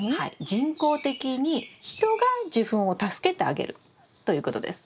人工的に人が受粉を助けてあげるということです。